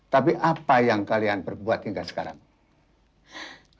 tapi apa yang kalian berbuat hingga sekarang